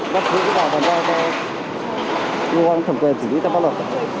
đã xử lý bảo vấn do cơ quan thẩm quyền xử lý chấp pháp luật